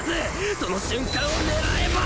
その瞬間を狙えば。